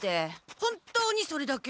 本当にそれだけ？